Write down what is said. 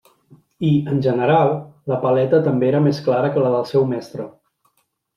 I, en general, la paleta també era més clara que la del seu mestre.